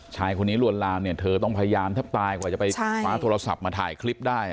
ชายคนนี้ลวนลามเนี่ยเธอต้องพยายามแทบตายกว่าจะไปคว้าโทรศัพท์มาถ่ายคลิปได้